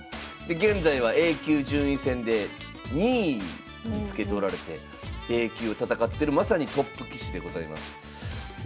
現在はＡ級順位戦で２位につけておられてＡ級を戦ってるまさにトップ棋士でございます。